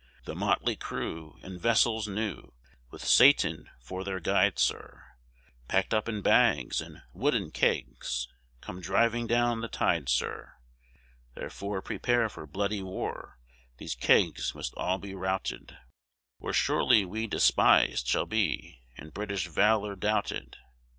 "The motley crew, in vessels new, With Satan for their guide, Sir, Pack'd up in bags, and wooden kegs, Come driving down the tide, Sir. "Therefore prepare for bloody war; These kegs must all be routed; Or surely we dispis'd shall be, And British valor doubted."